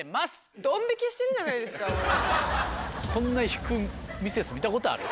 こんな引くミセス見たことある？